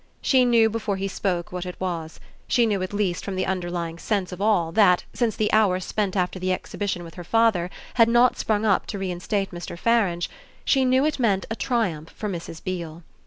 She knew before he spoke what it was; she knew at least from the underlying sense of all that, since the hour spent after the Exhibition with her father, had not sprung up to reinstate Mr. Farange she knew it meant a triumph for Mrs. Beale.